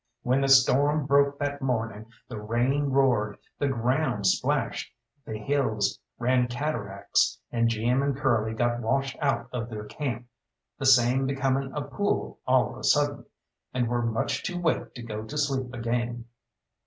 When the storm broke that morning, the rain roared, the ground splashed, the hills ran cataracts, and Jim and Curly got washed out of their camp, the same becoming a pool all of a sudden, and were much too wet to go to sleep again.